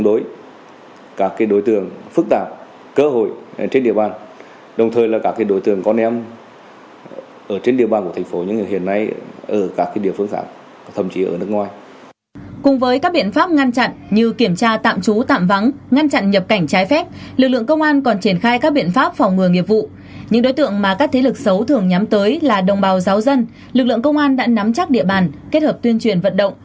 lực lượng công an đã nắm chắc địa bàn kết hợp tuyên truyền vận động lực lượng công an đã nắm chắc địa bàn kết hợp tuyên truyền vận động